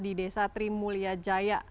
di desa trimulyajaya